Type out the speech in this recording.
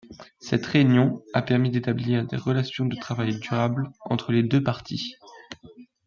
Cette réunion a permis d’établir des relations de travail durables entre les deux parties.